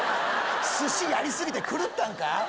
寿司やりすぎて狂ったんか？